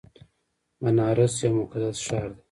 بنارس یو مقدس ښار دی.